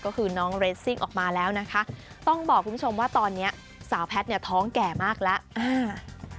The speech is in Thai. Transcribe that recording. ก็คือน้องเรสซิ่งออกมาแล้วนะคะต้องบอกคุณผู้ชมว่าตอนนี้สาวแพทย์เนี่ยท้องแก่มากแล้วอ่า